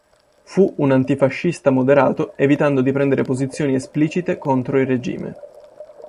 Fu un antifascista moderato, evitando di prendere posizioni esplicite contro il regime.